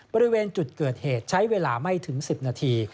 บริเวณจุดเกิดเหตุใช้เวลาไม่ถึง๑๐นาที